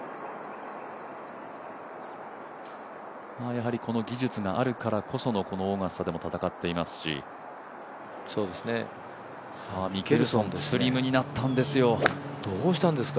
やはりこの技術があるからこそのこのオーガスタでも戦っていますしミケルソンスリムになったんですよ。